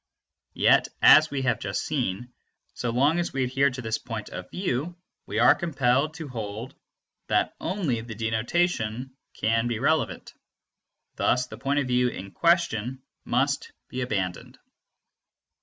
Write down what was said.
Yet, as we have just seen, so long as we adhere to this point of view, we are compelled to hold that only the denotation is relevant. Thus the point of view in question must be abandoned.